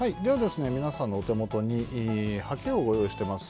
皆さんのお手元にはけをご用意してます。